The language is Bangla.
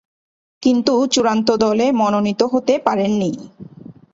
কিন্তু চূড়ান্ত দলে মনোনীত হতে পারেননি।